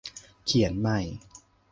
เขียนใหม่